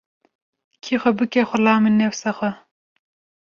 Kî xwe bike xulamê nefsa xwe